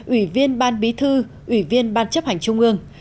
ủy viên ban bí thư ủy viên ban chấp hành trung ương